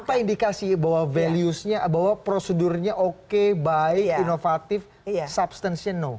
apa indikasi bahwa values nya bahwa prosedurnya oke baik inovatif substantional